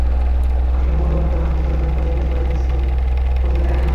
আসলে মৌলবাদের হাতি ঘরের ভেতরে রেখে বাইরে সুঁই খুঁজলে চলবে না।